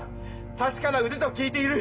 確かな腕と聞いている。